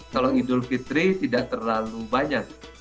kalau idul fitri tidak terlalu banyak